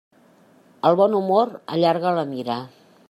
El bon humor allarga la mira.